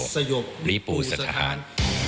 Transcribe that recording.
สยบหลีปุศทธาน